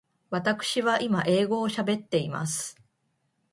わたくしは今英語を喋っています。